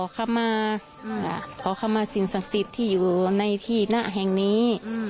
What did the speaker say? ขอเข้ามาขอเข้ามาสินสังสิทธิ์ที่อยู่ในที่หน้าแห่งนี้